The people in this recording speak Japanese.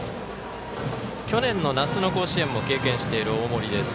去年の夏の甲子園も経験している大森です。